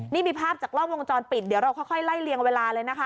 นี่มีภาพจากกล้องวงจรปิดเดี๋ยวเราค่อยไล่เลียงเวลาเลยนะคะ